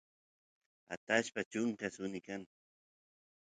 atashpa chunka suni kan